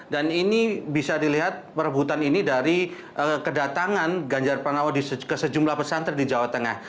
dan ini bisa dilihat perebutan ini dari kedatangan ganjar pranowo ke sejumlah pesantren di jawa tengah